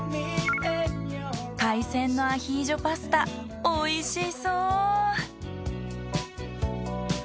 海鮮のアヒージョパスタおいしそう。